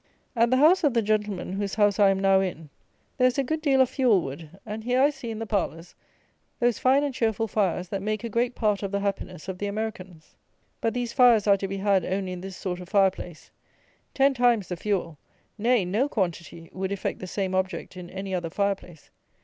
At the house of the gentleman, whose house I am now in, there is a good deal of fuel wood; and here I see in the parlours, those fine and cheerful fires that make a great part of the happiness of the Americans. But these fires are to be had only in this sort of fire place. Ten times the fuel; nay, no quantity, would effect the same object, in any other fire place.